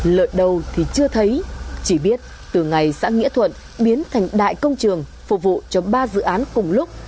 lợi đâu thì chưa thấy chỉ biết từ ngày xã nghĩa thuận biến thành đại công trường phục vụ cho ba dự án cùng lúc